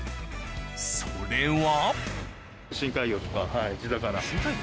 それは。